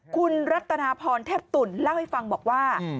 คุณรัตนาพรเทพตุ่นเล่าให้ฟังบอกว่า